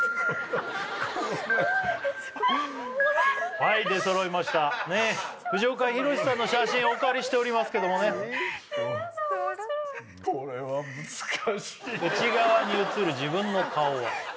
はい出そろいました藤岡弘、さんの写真をお借りしておりますけどもねいやだおもしろい笑っちゃう内側に映る自分の顔は？